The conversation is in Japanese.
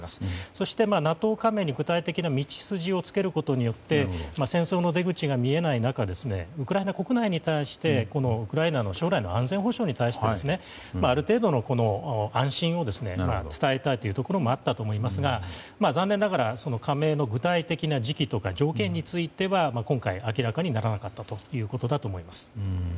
そして、ＮＡＴＯ加盟に具体的な道筋をつけることで戦争の出口が見えない中ウクライナ国内に対してウクライナの将来の安全保障に対してある程度の安心を伝えたいというところもあったと思いますが、残念ながらその加盟の具体的な時期とか条件については今回、明らかにならなかったということだと思います。